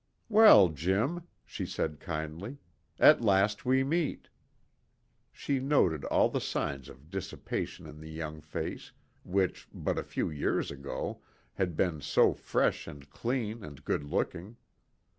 "Well, Jim," she said kindly, "at last we meet." She noted all the signs of dissipation in the young face, which, but a few years ago, had been so fresh and clean and good looking.